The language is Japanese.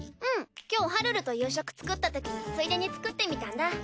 うん今日はるると夕食作ったときについでに作ってみたんだ。